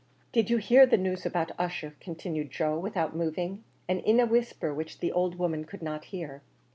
"Did you hear the news about Ussher?" continued Joe without moving, and in a whisper which the old woman could not hear.